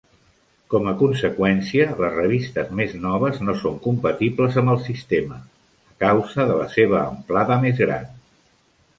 Com a conseqüència, les revistes més noves no són compatibles amb el sistema, a causa de la seva amplada més gran.